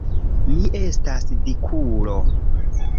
Mi estas dikulo!